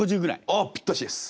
あっぴったしです。